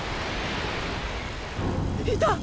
いた！